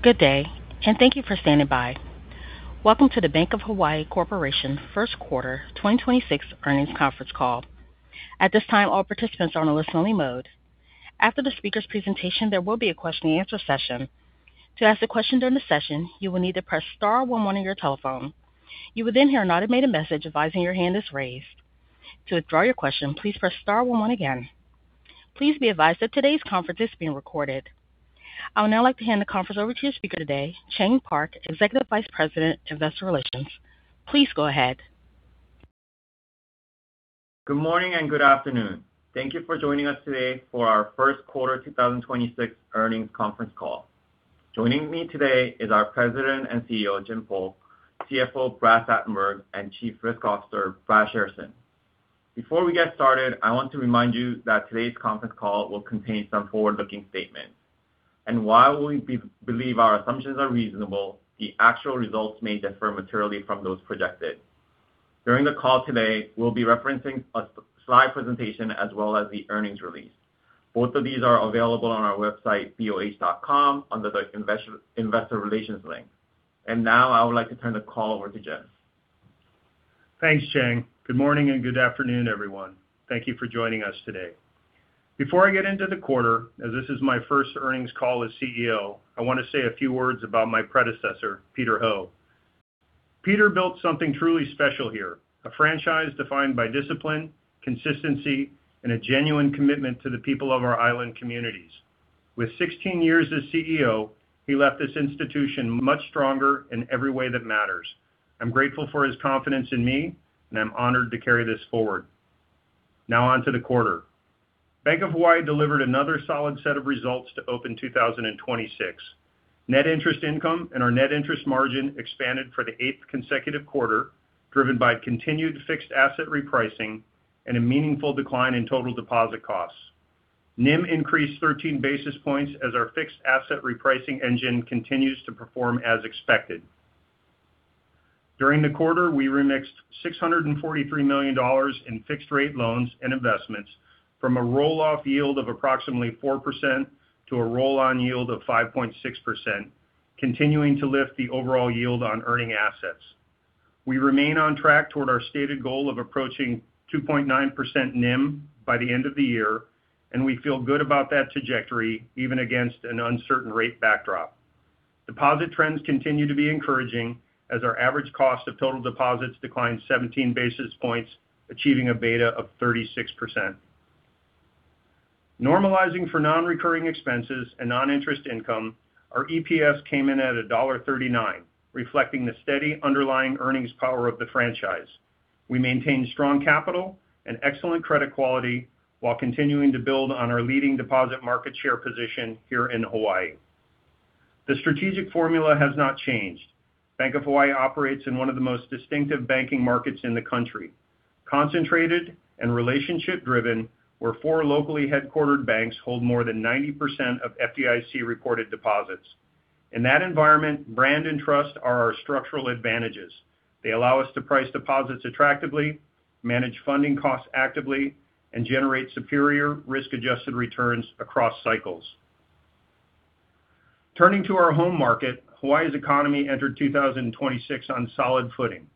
Good day, and thank you for standing by. Welcome to the Bank of Hawaii Corporation First Quarter 2026 Earnings Conference Call. At this time, all participants are on a listen only mode. After the speaker's presentation, there will be a question and answer session. To ask a question during the session, you will need to press star one one on your telephone. You will then hear an automated message advising your hand is raised. To withdraw your question, please press star one one again. Please be advised that today's conference is being recorded. I would now like to hand the conference over to your speaker today, Chang Park, Executive Vice President, Investor Relations. Please go ahead. Good morning and good afternoon. Thank you for joining us today for our first quarter 2026 earnings conference call. Joining me today is our President and CEO, Jim Polk, CFO, Brad Satenberg, and Chief Risk Officer, Brad Shairson. Before we get started, I want to remind you that today's conference call will contain some forward-looking statements. While we believe our assumptions are reasonable, the actual results may differ materially from those projected. During the call today, we'll be referencing a slide presentation as well as the earnings release. Both of these are available on our website, boh.com, under the investor relations link. Now I would like to turn the call over to Jim. Thanks, Chang. Good morning and good afternoon, everyone. Thank you for joining us today. Before I get into the quarter, as this is my first earnings call as CEO, I want to say a few words about my predecessor, Peter Ho. Peter built something truly special here, a franchise defined by discipline, consistency, and a genuine commitment to the people of our island communities. With 16 years as CEO, he left this institution much stronger in every way that matters. I'm grateful for his confidence in me, and I'm honored to carry this forward. Now on to the quarter. Bank of Hawaii delivered another solid set of results to open 2026. Net interest income and our net interest margin expanded for the eighth consecutive quarter, driven by continued fixed asset repricing and a meaningful decline in total deposit costs. NIM increased 13 basis points as our fixed asset repricing engine continues to perform as expected. During the quarter, we remixed $643 million in fixed rate loans and investments from a roll-off yield of approximately 4% to a roll-on yield of 5.6%, continuing to lift the overall yield on earning assets. We remain on track toward our stated goal of approaching 2.9% NIM by the end of the year, and we feel good about that trajectory even against an uncertain rate backdrop. Deposit trends continue to be encouraging as our average cost of total deposits declined 17 basis points, achieving a beta of 36%. Normalizing for non-recurring expenses and noninterest income, our EPS came in at $1.39, reflecting the steady underlying earnings power of the franchise. We maintained strong capital and excellent credit quality while continuing to build on our leading deposit market share position here in Hawaii. The strategic formula has not changed. Bank of Hawaii operates in one of the most distinctive banking markets in the country, concentrated and relationship-driven, where four locally headquartered banks hold more than 90% of FDIC-reported deposits. In that environment, brand and trust are our structural advantages. They allow us to price deposits attractively, manage funding costs actively, and generate superior risk-adjusted returns across cycles. Turning to our home market, Hawaii's economy entered 2026 on solid footing,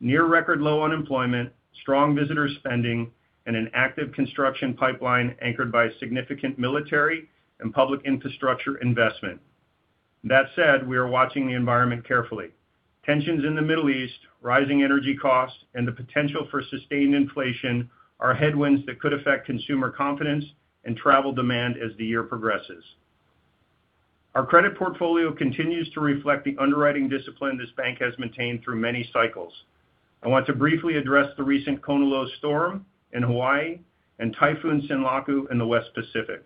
near record low unemployment, strong visitor spending, and an active construction pipeline anchored by significant military and public infrastructure investment. That said, we are watching the environment carefully. Tensions in the Middle East, rising energy costs, and the potential for sustained inflation are headwinds that could affect consumer confidence and travel demand as the year progresses. Our credit portfolio continues to reflect the underwriting discipline this bank has maintained through many cycles. I want to briefly address the recent Kona low storm in Hawaii and Typhoon Sinlaku in the western Pacific.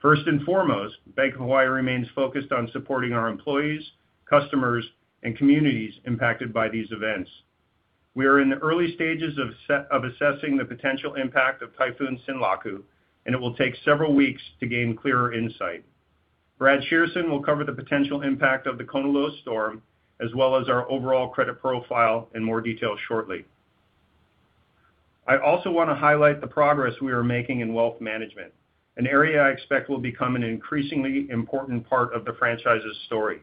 First and foremost, Bank of Hawaii remains focused on supporting our employees, customers, and communities impacted by these events. We are in the early stages of assessing the potential impact of Typhoon Sinlaku, and it will take several weeks to gain clearer insight. Bradley Shairson will cover the potential impact of the Kona low storm, as well as our overall credit profile in more detail shortly. I also want to highlight the progress we are making in Wealth Management, an area I expect will become an increasingly important part of the franchise's story.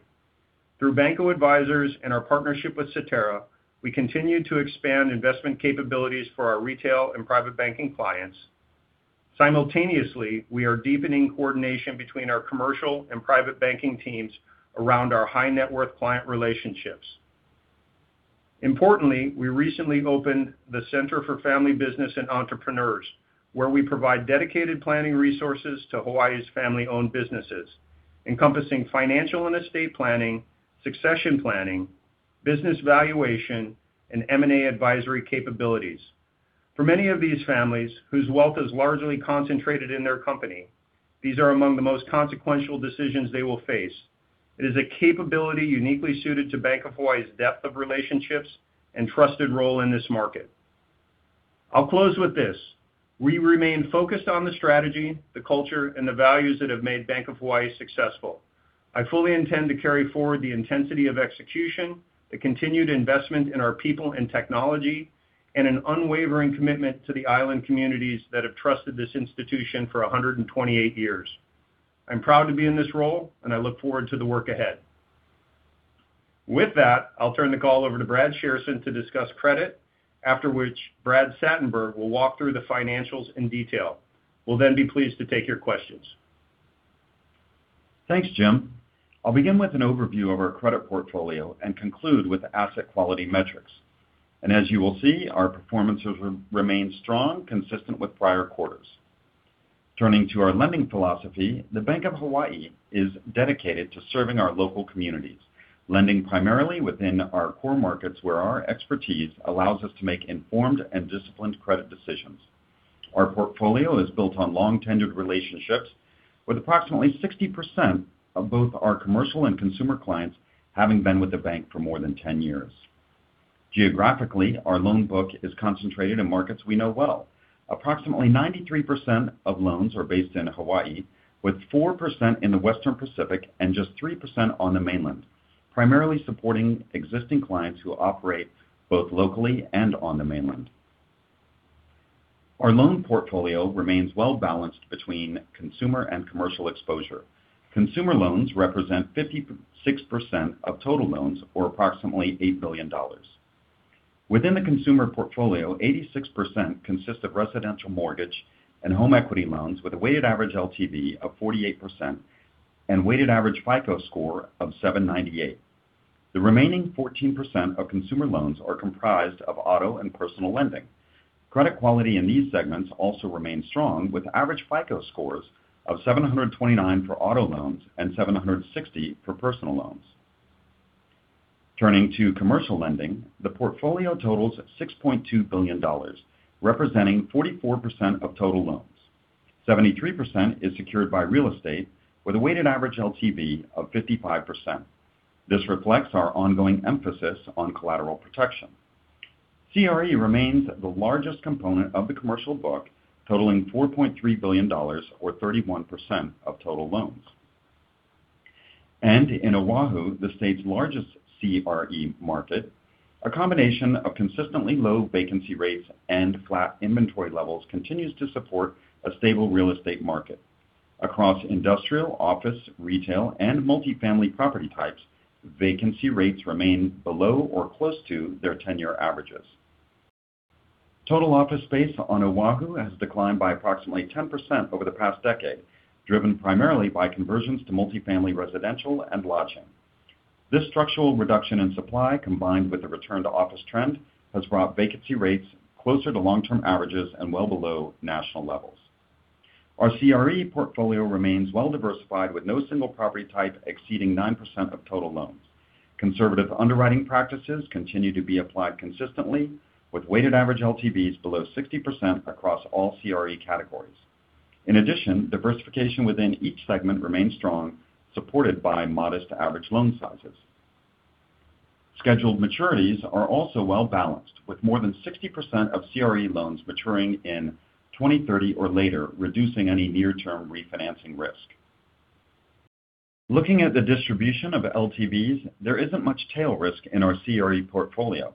Through Bankoh Advisors and our partnership with Cetera, we continue to expand investment capabilities for our retail and private banking clients. Simultaneously, we are deepening coordination between our commercial and private banking teams around our high net worth client relationships. Importantly, we recently opened the Center for Family Business & Entrepreneurs, where we provide dedicated planning resources to Hawaii's family-owned businesses, encompassing financial and estate planning, succession planning, business valuation, and M&A advisory capabilities. For many of these families, whose wealth is largely concentrated in their company, these are among the most consequential decisions they will face. It is a capability uniquely suited to Bank of Hawaii's depth of relationships and trusted role in this market. I'll close with this. We remain focused on the strategy, the culture, and the values that have made Bank of Hawaii successful. I fully intend to carry forward the intensity of execution, the continued investment in our people and technology, and an unwavering commitment to the island communities that have trusted this institution for 128 years. I'm proud to be in this role, and I look forward to the work ahead. With that, I'll turn the call over to Brad Shairson to discuss credit, after which Brad Satenberg will walk through the financials in detail. We'll then be pleased to take your questions. Thanks, Jim. I'll begin with an overview of our credit portfolio and conclude with asset quality metrics. As you will see, our performance has remained strong, consistent with prior quarters. Turning to our lending philosophy, the Bank of Hawaii is dedicated to serving our local communities, lending primarily within our core markets, where our expertise allows us to make informed and disciplined credit decisions. Our portfolio is built on long-tenured relationships, with approximately 60% of both our commercial and consumer clients having been with the bank for more than 10 years. Geographically, our loan book is concentrated in markets we know well. Approximately 93% of loans are based in Hawaii, with 4% in the Western Pacific and just 3% on the mainland, primarily supporting existing clients who operate both locally and on the mainland. Our loan portfolio remains well-balanced between consumer and commercial exposure. Consumer loans represent 56% of total loans, or approximately $8 billion. Within the consumer portfolio, 86% consists of residential mortgage and home equity loans, with a weighted average LTV of 48% and weighted average FICO score of 798. The remaining 14% of consumer loans are comprised of auto and personal lending. Credit quality in these segments also remains strong, with average FICO scores of 729 for auto loans and 760 for personal loans. Turning to commercial lending, the portfolio totals $6.2 billion, representing 44% of total loans. 73% is secured by real estate with a weighted average LTV of 55%. This reflects our ongoing emphasis on collateral protection. CRE remains the largest component of the commercial book, totaling $4.3 billion, or 31% of total loans. In Oahu, the state's largest CRE market, a combination of consistently low vacancy rates and flat inventory levels continues to support a stable real estate market. Across industrial, office, retail, and multifamily property types, vacancy rates remain below or close to their 10-year averages. Total office space on Oahu has declined by approximately 10% over the past decade, driven primarily by conversions to multifamily residential and lodging. This structural reduction in supply, combined with the return to office trend, has brought vacancy rates closer to long-term averages and well below national levels. Our CRE portfolio remains well-diversified, with no single property type exceeding 9% of total loans. Conservative underwriting practices continue to be applied consistently, with weighted average LTVs below 60% across all CRE categories. In addition, diversification within each segment remains strong, supported by modest average loan sizes. Scheduled maturities are also well-balanced, with more than 60% of CRE loans maturing in 2030 or later, reducing any near-term refinancing risk. Looking at the distribution of LTVs, there isn't much tail risk in our CRE portfolio.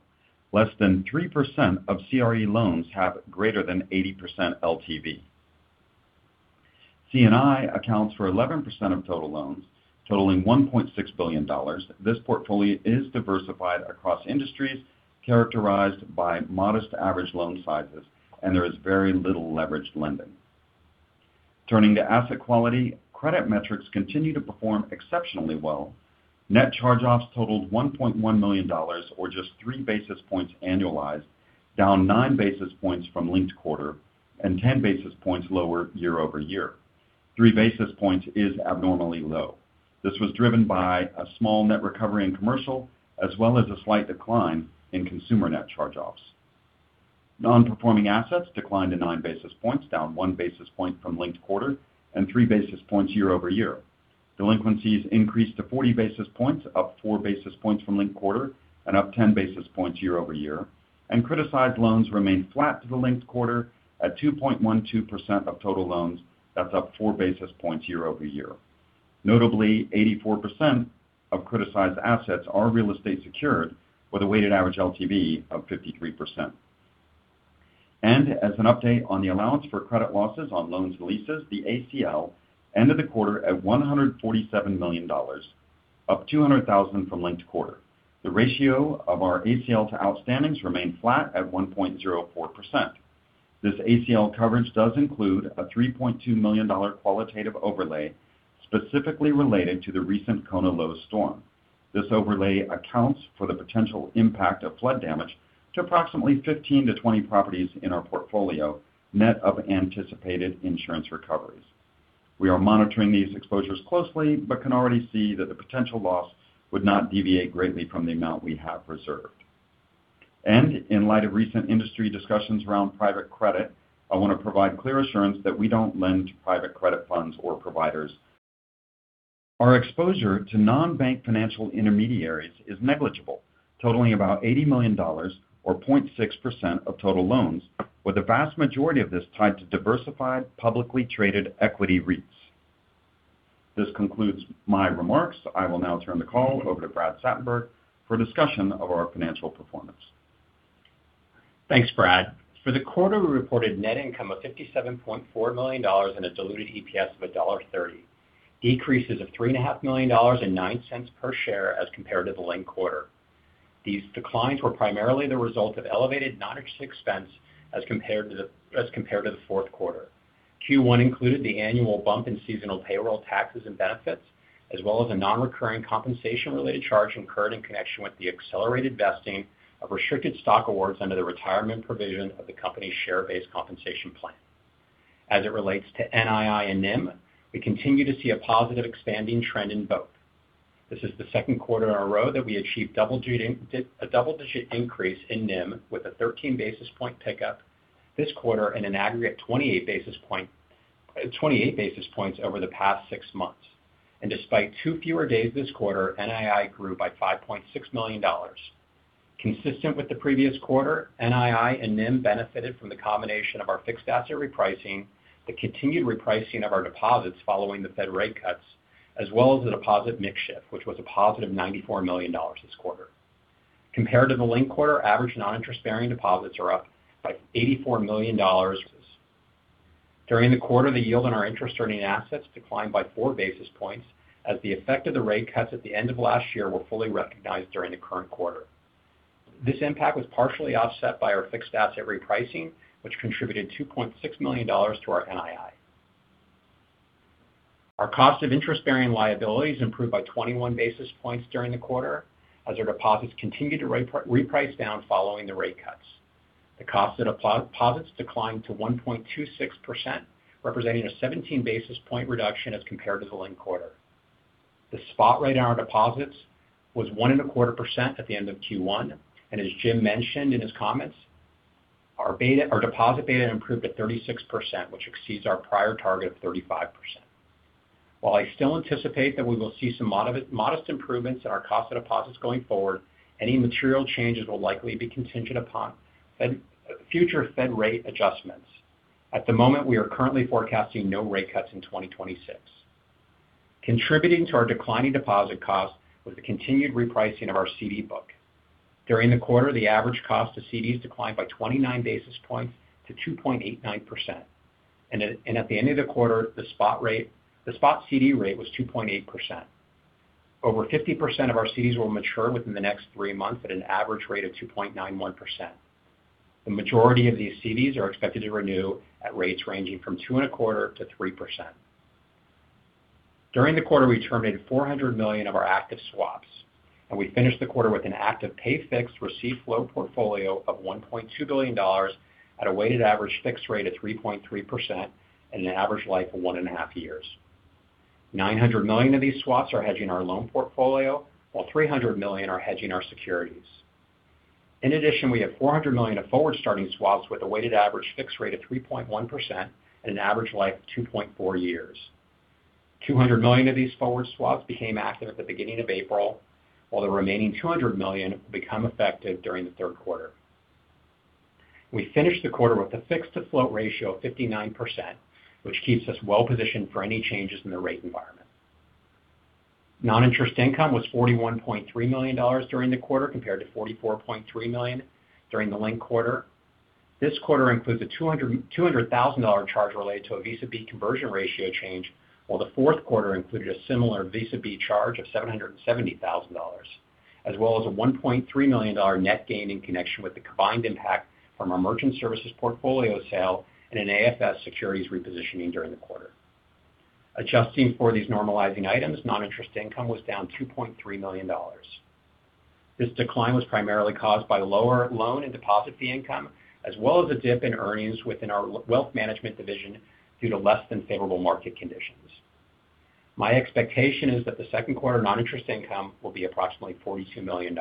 Less than 3% of CRE loans have greater than 80% LTV. C&I accounts for 11% of total loans, totaling $1.6 billion. This portfolio is diversified across industries characterized by modest average loan sizes, and there is very little leveraged lending. Turning to asset quality, credit metrics continue to perform exceptionally well. Net charge-offs totaled $1.1 million, or just 3 basis points annualized, down 9 basis points from linked quarter and 10 basis points lower year-over-year. 3 basis points is abnormally low. This was driven by a small net recovery in commercial, as well as a slight decline in consumer net charge-offs. Non-performing assets declined to 9 basis points, down 1 basis point from linked quarter and 3 basis points year-over-year. Delinquencies increased to 40 basis points, up 4 basis points from linked quarter and up 10 basis points year-over-year. Criticized loans remained flat to the linked quarter at 2.12% of total loans. That's up 4 basis points year-over-year. Notably, 84% of criticized assets are real estate secured with a weighted average LTV of 53%. As an update on the allowance for credit losses on loans and leases, the ACL ended the quarter at $147 million, up $200,000 from linked quarter. The ratio of our ACL to outstandings remained flat at 1.04%. This ACL coverage does include a $3.2 million qualitative overlay specifically related to the recent Kona low storm. This overlay accounts for the potential impact of flood damage to approximately 15-20 properties in our portfolio, net of anticipated insurance recoveries. We are monitoring these exposures closely but can already see that the potential loss would not deviate greatly from the amount we have reserved. In light of recent industry discussions around private credit, I want to provide clear assurance that we don't lend to private credit funds or providers. Our exposure to non-bank financial intermediaries is negligible, totaling about $80 million or 0.6% of total loans, with the vast majority of this tied to diversified publicly traded equity REITs. This concludes my remarks. I will now turn the call over to Brad Satenberg for a discussion of our financial performance. Thanks, Brad. For the quarter, we reported net income of $57.4 million and a diluted EPS of $1.30. Decreases of $3.5 million and $0.09 per share as compared to the linked quarter. These declines were primarily the result of elevated noninterest expense as compared to the fourth quarter. Q1 included the annual bump in seasonal payroll taxes and benefits, as well as a non-recurring compensation-related charge incurred in connection with the accelerated vesting of restricted stock awards under the retirement provision of the company's share-based compensation plan. As it relates to NII and NIM, we continue to see a positive expanding trend in both. This is the second quarter in a row that we achieved a double-digit increase in NIM, with a 13 basis point pickup this quarter and an aggregate 28 basis points over the past six months. Despite two fewer days this quarter, NII grew by $5.6 million. Consistent with the previous quarter, NII and NIM benefited from the combination of our fixed asset repricing, the continued repricing of our deposits following the Fed rate cuts, as well as the deposit mix shift, which was a +$94 million this quarter. Compared to the linked quarter, average noninterest-bearing deposits are up by $84 million. During the quarter, the yield on our interest-earning assets declined by 4 basis points as the effect of the rate cuts at the end of last year were fully recognized during the current quarter. This impact was partially offset by our fixed asset repricing, which contributed $2.6 million to our NII. Our cost of interest-bearing liabilities improved by 21 basis points during the quarter as our deposits continued to reprice down following the rate cuts. The cost of deposits declined to 1.26%, representing a 17 basis point reduction as compared to the linked quarter. The spot rate on our deposits was 1.25% at the end of Q1. As Jim mentioned in his comments, our deposit beta improved to 36%, which exceeds our prior target of 35%. While I still anticipate that we will see some modest improvements in our cost of deposits going forward, any material changes will likely be contingent upon future Fed rate adjustments. At the moment, we are currently forecasting no rate cuts in 2026. Contributing to our declining deposit cost was the continued repricing of our CD book. During the quarter, the average cost of CDs declined by 29 basis points to 2.89%. At the end of the quarter, the spot CD rate was 2.8%. Over 50% of our CDs will mature within the next three months at an average rate of 2.91%. The majority of these CDs are expected to renew at rates ranging from 2.25%-3%. During the quarter, we terminated $400 million of our active swaps, and we finished the quarter with an active pay fixed receive floating portfolio of $1.2 billion at a weighted average fixed rate of 3.3% and an average life of one and a half years. $900 million of these swaps are hedging our loan portfolio, while $300 million are hedging our securities. In addition, we have $400 million of forward-starting swaps with a weighted average fixed rate of 3.1% and an average life of 2.4 years. $200 million of these forward swaps became active at the beginning of April, while the remaining $200 million will become effective during the third quarter. We finished the quarter with a fixed-to-float ratio of 59%, which keeps us well positioned for any changes in the rate environment. Noninterest income was $41.3 million during the quarter, compared to $44.3 million during the linked quarter. This quarter includes a $200,000 charge related to a Visa B conversion ratio change, while the fourth quarter included a similar Visa B charge of $770,000, as well as a $1.3 million net gain in connection with the combined impact from our merchant services portfolio sale and an AFS securities repositioning during the quarter. Adjusting for these normalizing items, noninterest income was down $2.3 million. This decline was primarily caused by lower loan and deposit fee income, as well as a dip in earnings within our Wealth Management division due to less than favorable market conditions. My expectation is that the second quarter noninterest income will be approximately $42 million.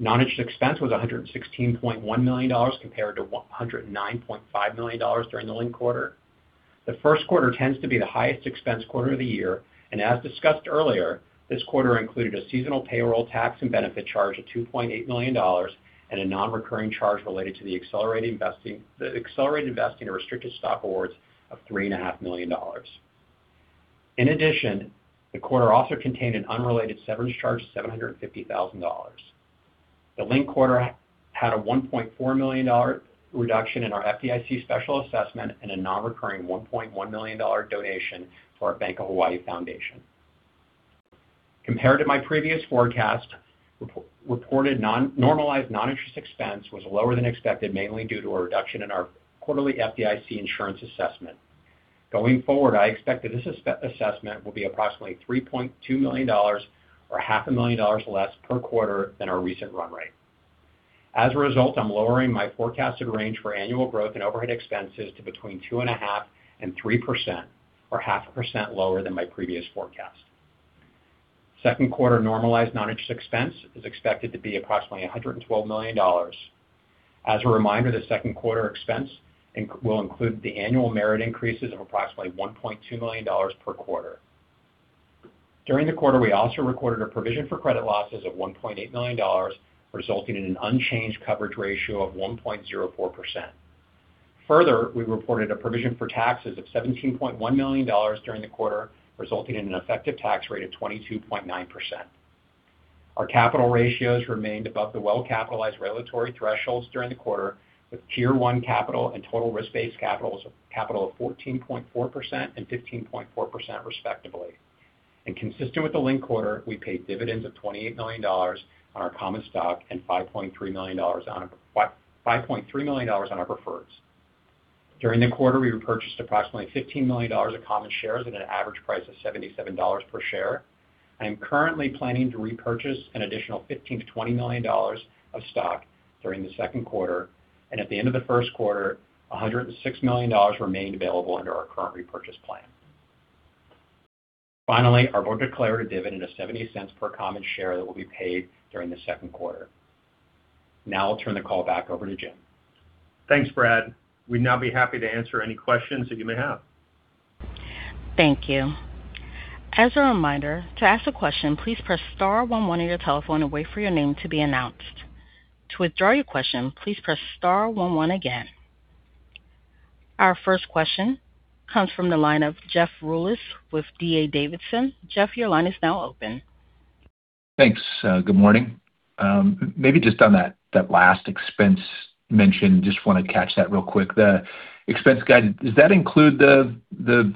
Noninterest expense was $116.1 million, compared to $109.5 million during the linked quarter. The first quarter tends to be the highest expense quarter of the year, and as discussed earlier, this quarter included a seasonal payroll tax and benefit charge of $2.8 million and a non-recurring charge related to the accelerated vesting of restricted stock awards of $3.5 million. In addition, the quarter also contained an unrelated severance charge of $750,000. The linked quarter had a $1.4 million reduction in our FDIC special assessment and a non-recurring $1.1 million donation to our Bank of Hawaii Foundation. Compared to my previous forecast, reported normalized noninterest expense was lower than expected, mainly due to a reduction in our quarterly FDIC insurance assessment. Going forward, I expect that this assessment will be approximately $3.2 million or $500,000 less per quarter than our recent run rate. As a result, I'm lowering my forecasted range for annual growth in overhead expenses to between 2.5%-3%, or 0.5% lower than my previous forecast. Second quarter normalized noninterest expense is expected to be approximately $112 million. As a reminder, the second quarter expense will include the annual merit increases of approximately $1.2 million per quarter. During the quarter, we also recorded a provision for credit losses of $1.8 million, resulting in an unchanged coverage ratio of 1.04%. Further, we reported a provision for taxes of $17.1 million during the quarter, resulting in an effective tax rate of 22.9%. Our capital ratios remained above the well-capitalized regulatory thresholds during the quarter, with Tier 1 Capital and total risk-based capital of 14.4% and 15.4% respectively. Consistent with the linked quarter, we paid dividends of $28 million on our common stock and $5.3 million on our preferred. During the quarter, we repurchased approximately $15 million of common shares at an average price of $77 per share. I am currently planning to repurchase an additional $15 million-$20 million of stock during the second quarter. At the end of the first quarter, $106 million remained available under our current repurchase plan. Finally, our board declared a dividend of $0.70 per common share that will be paid during the second quarter. Now I'll turn the call back over to Jim. Thanks, Brad. We'd now be happy to answer any questions that you may have. Thank you. As a reminder, to ask a question, please press star one one on your telephone and wait for your name to be announced. To withdraw your question, please press star one one again. Our first question comes from the line of Jeff Rulis with D.A. Davidson. Jeff, your line is now open. Thanks. Good morning. Maybe just on that last expense mentioned, just want to catch that real quick. The expense guide, does that include the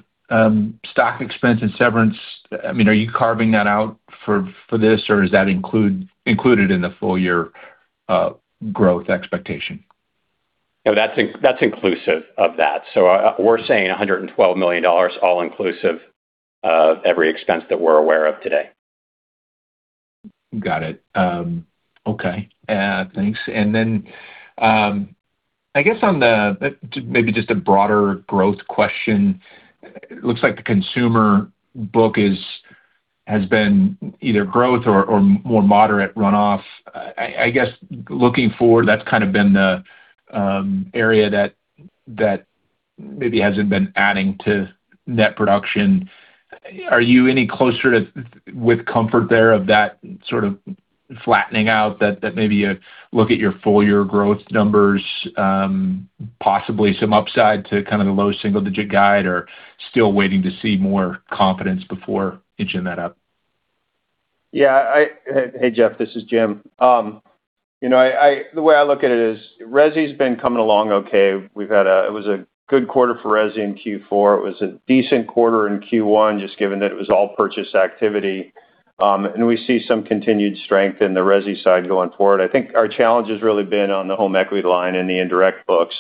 stock expense and severance? Are you carving that out for this, or is that included in the full-year growth expectation? No, that's inclusive of that. We're saying $112 million, all inclusive of every expense that we're aware of today. Got it. Okay. Thanks. I guess maybe just a broader growth question. It looks like the consumer book has been either growth or more moderate runoff. I guess looking forward, that's kind of been the area that maybe hasn't been adding to net production. Are you any closer with comfort there of that sort of flattening out that maybe you look at your full-year growth numbers possibly some upside to kind of the low single-digit guide, or still waiting to see more confidence before inching that up? Yeah. Hey, Jeff, this is Jim. The way I look at it is resi's been coming along okay. It was a good quarter for resi in Q4. It was a decent quarter in Q1, just given that it was all purchase activity. We see some continued strength in the resi side going forward. I think our challenge has really been on the home equity line and the indirect books.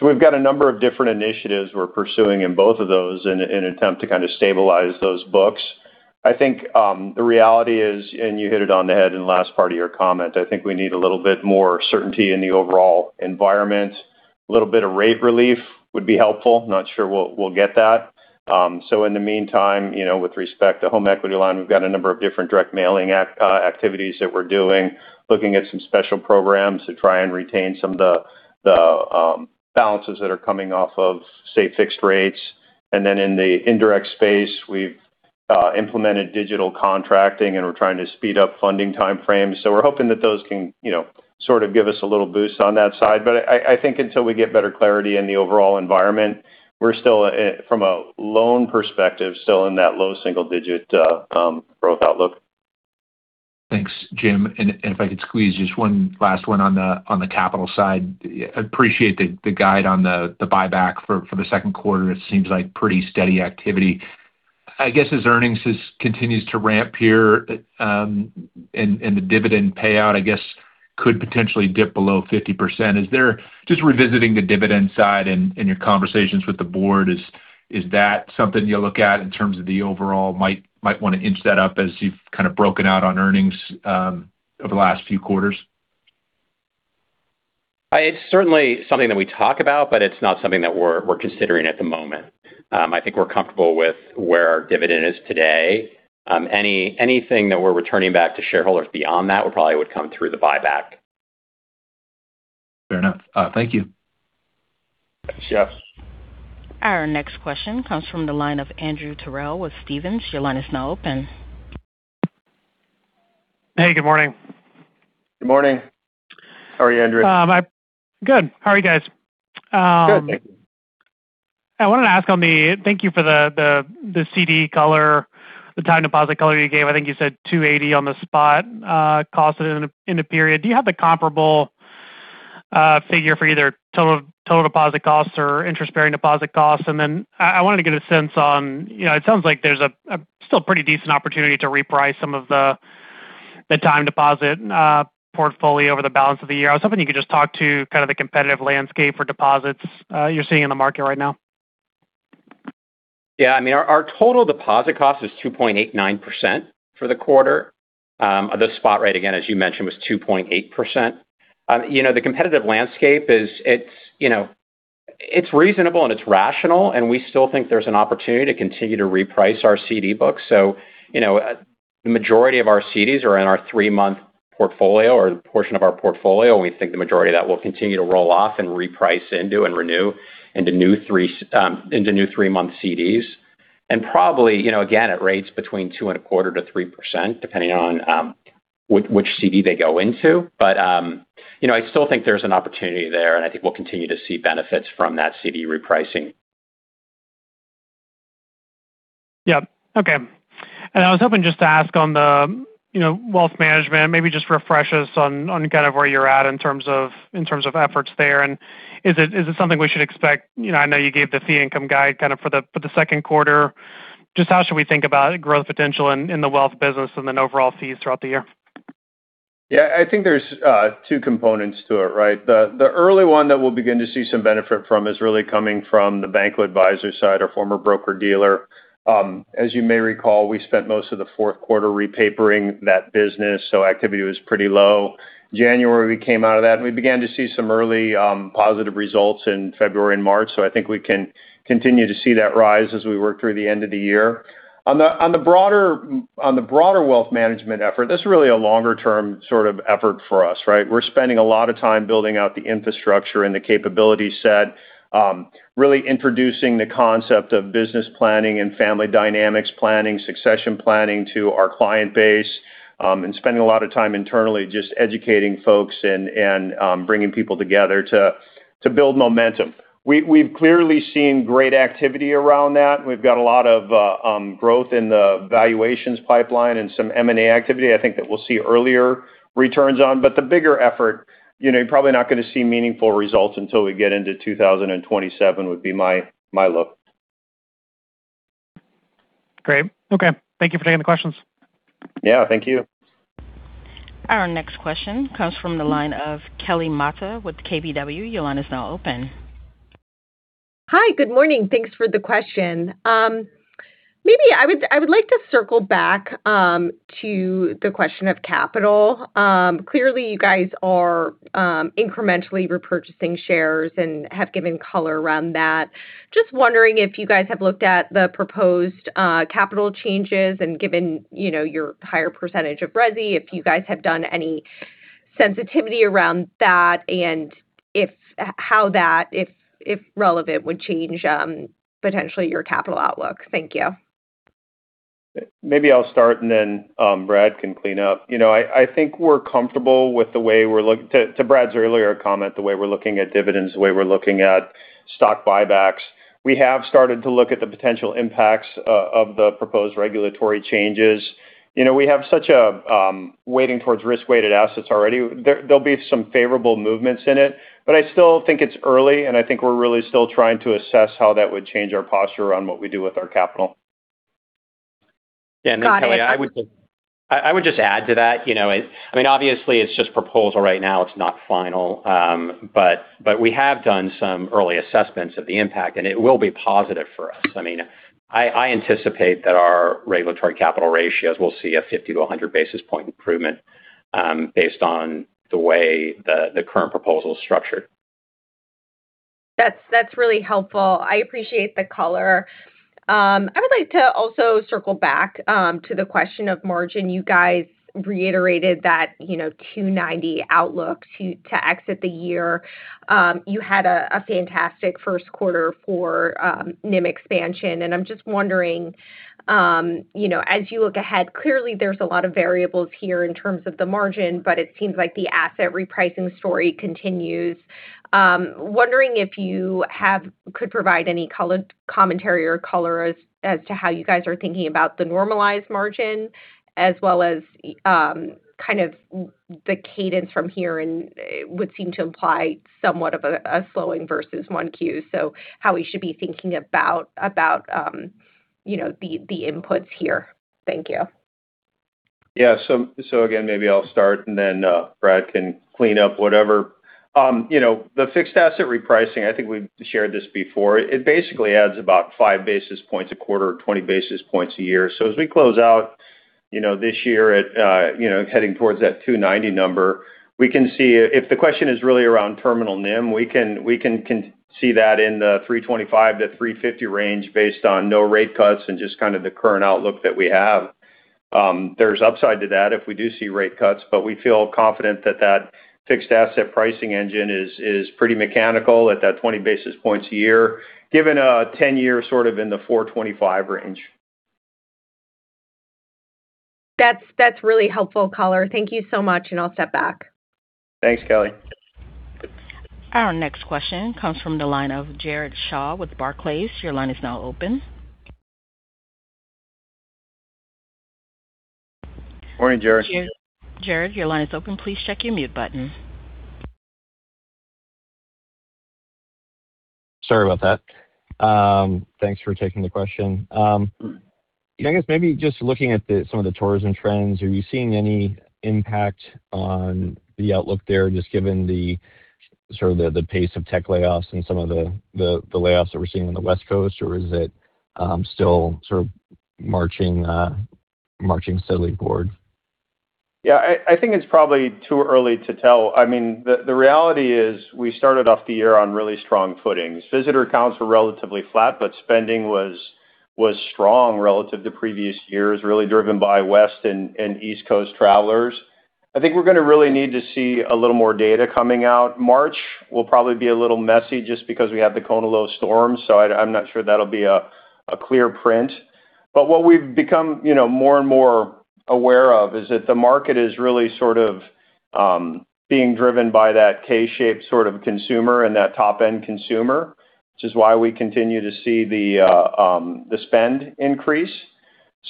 We've got a number of different initiatives we're pursuing in both of those in an attempt to kind of stabilize those books. I think the reality is, and you hit it on the head in the last part of your comment, I think we need a little bit more certainty in the overall environment. A little bit of rate relief would be helpful. Not sure we'll get that. In the meantime, with respect to home equity line, we've got a number of different direct mailing activities that we're doing, looking at some special programs to try and retain some of the balances that are coming off of, say, fixed rates. Then in the indirect space, we've implemented digital contracting, and we're trying to speed up funding timeframes. We're hoping that those can sort of give us a little boost on that side. I think until we get better clarity in the overall environment, we're still, from a loan perspective, in that low single-digit growth outlook. Thanks, Jim. If I could squeeze just one last one on the capital side. I appreciate the guide on the buyback for the second quarter. It seems like pretty steady activity. I guess as earnings continues to ramp here, and the dividend payout, I guess could potentially dip below 50%. Just revisiting the dividend side and your conversations with the board, is that something you look at in terms of the overall might want to inch that up as you've kind of broken out on earnings over the last few quarters? It's certainly something that we talk about, but it's not something that we're considering at the moment. I think we're comfortable with where our dividend is today. Anything that we're returning back to shareholders beyond that, probably would come through the buyback. Fair enough. Thank you. Thanks, Jeff. Our next question comes from the line of Andrew Terrell with Stephens. Your line is now open. Hey, good morning. Good morning. How are you, Andrew? I'm good. How are you guys? Good. I wanted to ask, thank you for the CD color, the time deposit color you gave. I think you said 2.80% on the spot cost in the period. Do you have the comparable figure for either total deposit costs or interest-bearing deposit costs? I wanted to get a sense on it sounds like there's still a pretty decent opportunity to reprice some of the time deposit portfolio over the balance of the year. I was hoping you could just talk to kind of the competitive landscape for deposits you're seeing in the market right now. Yeah. Our total deposit cost is 2.89% for the quarter. The spot rate, again, as you mentioned, was 2.8%. The competitive landscape is reasonable and it's rational, and we still think there's an opportunity to continue to reprice our CD books. The majority of our CDs are in our three-month portfolio or the portion of our portfolio, and we think the majority of that will continue to roll off and reprice into and renew into new three-month CDs. Probably, again, at rates between 2.25%-3%, depending on which CD they go into. I still think there's an opportunity there, and I think we'll continue to see benefits from that CD repricing. Yeah. Okay. I was hoping just to ask on the Wealth Management, maybe just refresh us on where you're at in terms of efforts there. Is it something we should expect? I know you gave the fee income guide for the second quarter. Just how should we think about growth potential in the Wealth business and then overall fees throughout the year? Yeah, I think there's two components to it, right? The early one that we'll begin to see some benefit from is really coming from the Bankoh Advisors side, our former broker-dealer. As you may recall, we spent most of the fourth quarter repapering that business, so activity was pretty low. January, we came out of that, and we began to see some early positive results in February and March. I think we can continue to see that rise as we work through the end of the year. On the broader Wealth Management effort, that's really a longer-term sort of effort for us, right? We're spending a lot of time building out the infrastructure and the capability set, really introducing the concept of business planning and family dynamics planning, succession planning to our client base, and spending a lot of time internally just educating folks and bringing people together to build momentum. We've clearly seen great activity around that. We've got a lot of growth in the valuations pipeline and some M&A activity I think that we'll see earlier returns on. The bigger effort, you're probably not going to see meaningful results until we get into 2027, would be my look. Great. Okay. Thank you for taking the questions. Yeah. Thank you. Our next question comes from the line of Kelly Motta with KBW. Your line is now open. Hi. Good morning. Thanks for the question. Maybe I would like to circle back to the question of capital. Clearly you guys are incrementally repurchasing shares and have given color around that. Just wondering if you guys have looked at the proposed capital changes and given your higher percentage of resi, if you guys have done any sensitivity around that and how that, if relevant, would change potentially your capital outlook? Thank you. Maybe I'll start and then Brad can clean up. I think we're comfortable with, to Brad's earlier comment, the way we're looking at dividends, the way we're looking at stock buybacks. We have started to look at the potential impacts of the proposed regulatory changes. We have such a weighting towards risk-weighted assets already. There'll be some favorable movements in it, but I still think it's early, and I think we're really still trying to assess how that would change our posture on what we do with our capital. Got it. Kelly, I would just add to that. Obviously it's just a proposal right now. It's not final. We have done some early assessments of the impact, and it will be positive for us. I anticipate that our regulatory capital ratios will see a 50-100 basis points improvement based on the way the current proposal is structured. That's really helpful. I appreciate the color. I would like to also circle back to the question of margin. You guys reiterated that 2.90% outlook to exit the year. You had a fantastic first quarter for NIM expansion, and I'm just wondering, as you look ahead, clearly there's a lot of variables here in terms of the margin, but it seems like the asset repricing story continues. Wondering if you could provide any commentary or color as to how you guys are thinking about the normalized margin as well as kind of the cadence from here and would seem to imply somewhat of a slowing versus Q1. How we should be thinking about the inputs here. Thank you. Yeah. Again, maybe I'll start and then Brad can clean up whatever. The fixed asset repricing, I think we've shared this before. It basically adds about 5 basis points a quarter or 20 basis points a year. As we close out this year heading towards that 2.90% number, we can see if the question is really around terminal NIM, we can see that in the 3.25%-3.50% range based on no rate cuts and just kind of the current outlook that we have. There's upside to that if we do see rate cuts, but we feel confident that that fixed asset pricing engine is pretty mechanical at that 20 basis points a year, given a 10-year sort of in the 4.25% range. That's really helpful color. Thank you so much, and I'll step back. Thanks, Kelly. Our next question comes from the line of Jared Shaw with Barclays. Your line is now open. Morning, Jared. Jared, your line is open. Please check your mute button. Sorry about that. Thanks for taking the question. I guess maybe just looking at some of the tourism trends, are you seeing any impact on the outlook there, just given the sort of pace of tech layoffs and some of the layoffs that we're seeing on the West Coast, or is it still sort of marching steadily forward? Yeah, I think it's probably too early to tell. The reality is we started off the year on really strong footing. Visitor counts were relatively flat, but spending was strong relative to previous years, really driven by West and East Coast travelers. I think we're going to really need to see a little more data coming out. March will probably be a little messy just because we have the cone of those storms, so I'm not sure that'll be a clear print. What we've become more and more aware of is that the market is really being driven by that K-shaped consumer and that top-end consumer. Which is why we continue to see the spend increase.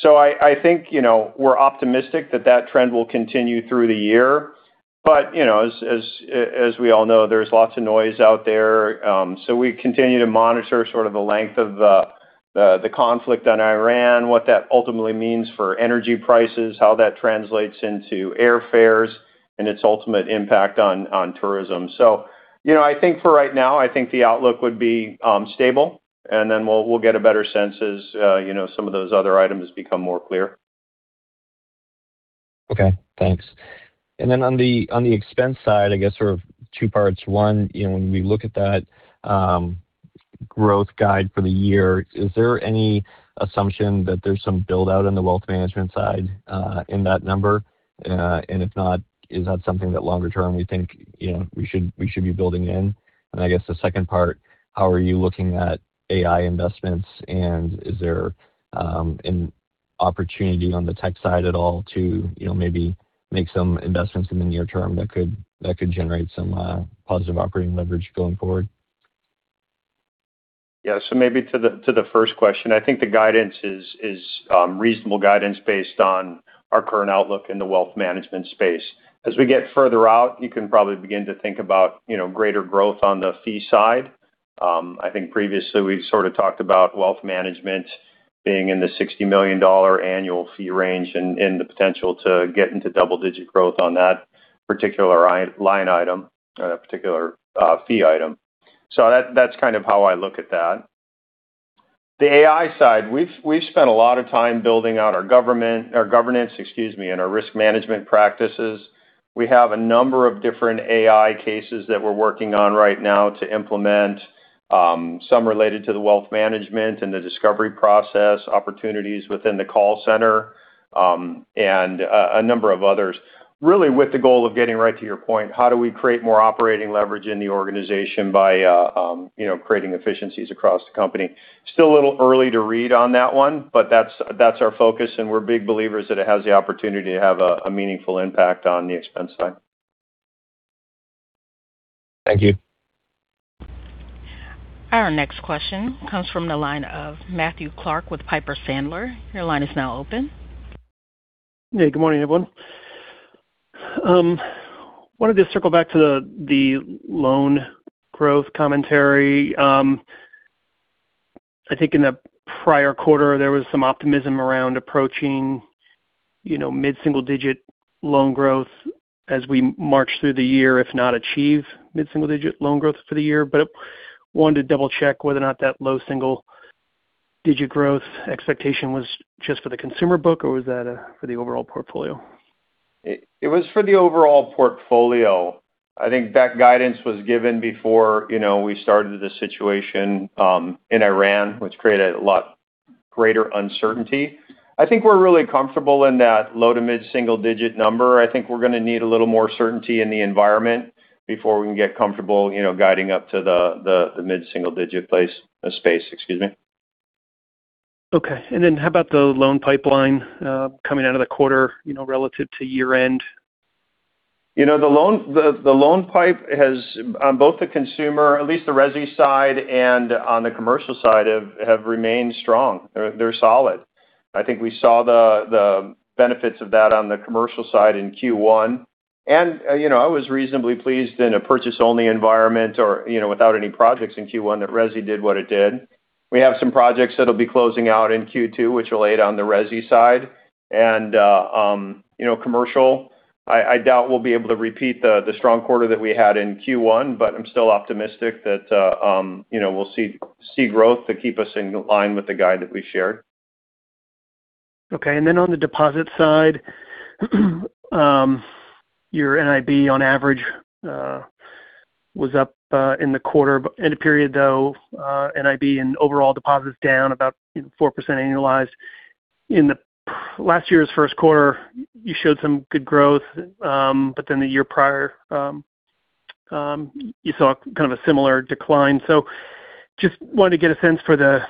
I think we're optimistic that trend will continue through the year. As we all know, there's lots of noise out there. We continue to monitor the length of the conflict in Iran, what that ultimately means for energy prices, how that translates into airfares and its ultimate impact on tourism. I think for right now, the outlook would be stable and then we'll get a better sense as some of those other items become more clear. Okay, thanks. On the expense side, I guess sort of two parts. One, when we look at that growth guide for the year, is there any assumption that there's some build-out in the Wealth Management side in that number? If not, is that something that longer term we think we should be building in? I guess the second part, how are you looking at AI investments and is there an opportunity on the tech side at all to maybe make some investments in the near term that could generate some positive operating leverage going forward? Yeah. Maybe to the first question. I think the guidance is reasonable guidance based on our current outlook in the Wealth Management space. As we get further out, you can probably begin to think about greater growth on the fee side. I think previously we've sort of talked about Wealth Management being in the $60 million annual fee range and the potential to get into double-digit growth on that particular fee item. That's kind of how I look at that. The AI side, we've spent a lot of time building out our governance and our risk management practices. We have a number of different AI cases that we're working on right now to implement. Some related to the Wealth Management and the discovery process, opportunities within the call center, and a number of others. Really with the goal of getting right to your point, how do we create more operating leverage in the organization by creating efficiencies across the company? Still a little early to read on that one, but that's our focus, and we're big believers that it has the opportunity to have a meaningful impact on the expense side. Thank you. Our next question comes from the line of Matthew Clark with Piper Sandler. Your line is now open. Hey, good morning, everyone. Wanted to circle back to the loan growth commentary. I think in the prior quarter there was some optimism around approaching mid-single digit loan growth as we march through the year, if not achieve mid-single digit loan growth for the year. Wanted to double-check whether or not that low single digit growth expectation was just for the consumer book, or was that for the overall portfolio? It was for the overall portfolio. I think that guidance was given before we started the situation in Iran, which created a lot greater uncertainty. I think we're really comfortable in that low to mid-single digit number. I think we're going to need a little more certainty in the environment before we can get comfortable guiding up to the mid-single digit space, excuse me. Okay. How about the loan pipeline coming out of the quarter relative to year end? The loan pipeline on both the consumer, at least the resi side, and on the commercial side, has remained strong. They're solid. I think we saw the benefits of that on the commercial side in Q1. I was reasonably pleased in a purchase-only environment or without any projects in Q1 that resi did what it did. We have some projects that'll be closing out in Q2, which will aid on the resi side. Commercial, I doubt we'll be able to repeat the strong quarter that we had in Q1, but I'm still optimistic that we'll see growth to keep us in line with the guide that we shared. Okay. Then on the deposit side, your NIB on average was up in the quarter. In the period though, NIB and overall deposits down about 4% annualized. In the last year's first quarter, you showed some good growth. The year prior you saw kind of a similar decline. Just wanted to get a sense for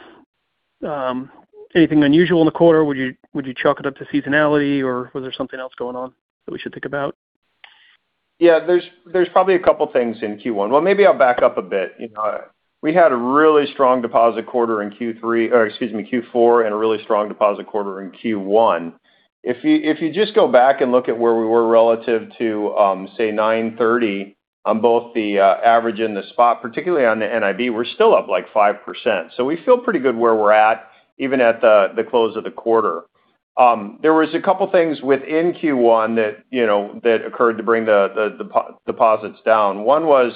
anything unusual in the quarter? Would you chalk it up to seasonality, or was there something else going on that we should think about? Yeah. There's probably a couple things in Q1. Well, maybe I'll back up a bit. We had a really strong deposit quarter in Q3, or excuse me, Q4, and a really strong deposit quarter in Q1. If you just go back and look at where we were relative to say 9/30 on both the average and the spot, particularly on the NIB, we're still up like 5%. So we feel pretty good where we're at, even at the close of the quarter. There was a couple things within Q1 that occurred to bring the deposits down. One was.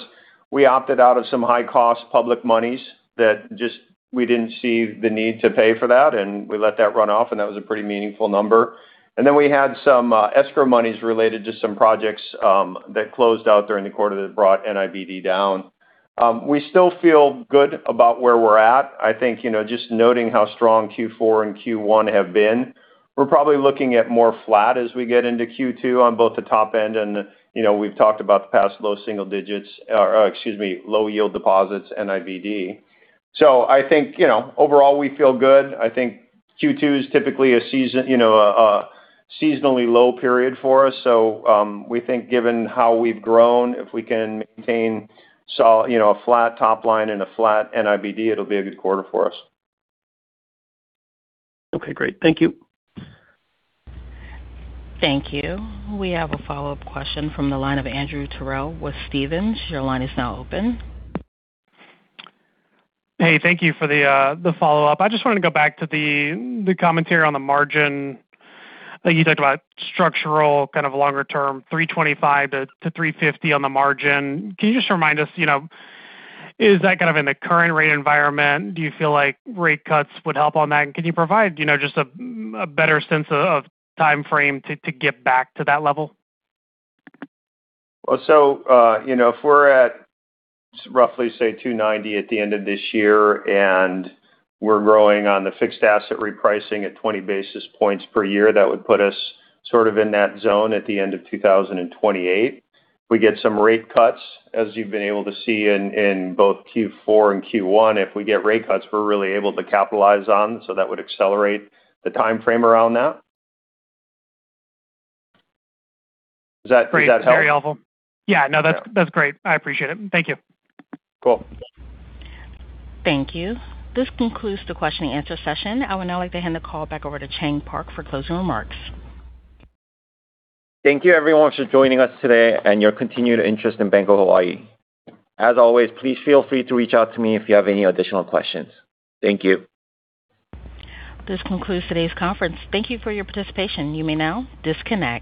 We opted out of some high-cost public monies that we didn't see the need to pay for that, and we let that run off, and that was a pretty meaningful number. We had some escrow monies related to some projects that closed out during the quarter that brought NIBD down. We still feel good about where we're at. I think just noting how strong Q4 and Q1 have been, we're probably looking at more flat as we get into Q2 on both the top end and we've talked about the past low single digits, excuse me, low yield deposits, NIBD. I think overall we feel good. I think Q2 is typically a seasonally low period for us. We think given how we've grown, if we can maintain a flat top line and a flat NIBD, it'll be a good quarter for us. Okay, great. Thank you. Thank you. We have a follow-up question from the line of Andrew Terrell with Stephens. Your line is now open. Hey, thank you for the follow-up. I just wanted to go back to the commentary on the margin. You talked about structural kind of longer term, 3.25%-3.50% on the margin. Can you just remind us, is that kind of in the current rate environment? Do you feel like rate cuts would help on that? Can you provide just a better sense of timeframe to get back to that level? If we're at roughly, say, 2.90% at the end of this year and we're growing on the fixed asset repricing at 20 basis points per year, that would put us sort of in that zone at the end of 2028. We get some rate cuts, as you've been able to see in both Q4 and Q1. If we get rate cuts, we're really able to capitalize on, so that would accelerate the timeframe around that. Does that help? Very helpful. Yeah, no, that's great. I appreciate it. Thank you. Cool. Thank you. This concludes the question and answer session. I would now like to hand the call back over to Chang Park for closing remarks. Thank you everyone for joining us today and your continued interest in Bank of Hawaii. As always, please feel free to reach out to me if you have any additional questions. Thank you. This concludes today's conference. Thank you for your participation. You may now disconnect.